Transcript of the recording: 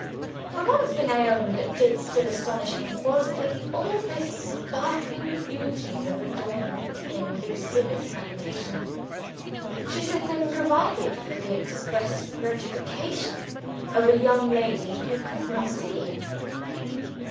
The one thing which I own did still astonish me, was that all this sparkling beauty of adornment in Lucilla's habitation should have been provided for the express gratification of a young lady who could not see.